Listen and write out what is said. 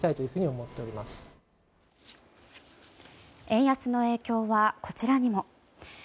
円安の影響はこちらにも。